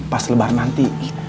pas lebar nanti